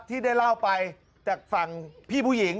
ที่ได้เล่าไปจากฝั่งพี่ผู้หญิง